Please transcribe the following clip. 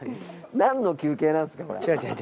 何の休憩なんですか？